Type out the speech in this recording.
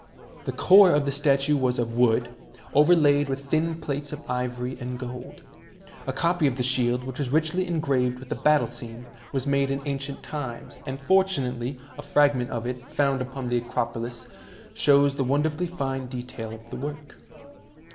The core of the statue was of wood, over laid with thin plates of ivory and of gold. A copy of the shield, which was richly engraved with a battle scene, was made in ancient times, and fortunately a fragment of it, found upon the Acropolis, shows the wonderfully fine detail of the work.